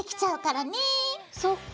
そっか。